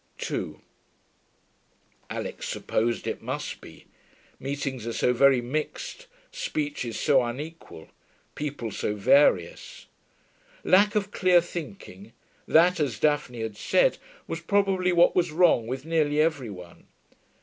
2 Alix supposed it must be. Meetings are so very mixed, speeches so unequal, people so various. Lack of clear thinking that, as Daphne had said, was probably what was wrong with nearly every one.